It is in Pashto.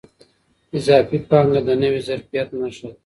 اضافي پانګه د نوي ظرفیت نښه ده.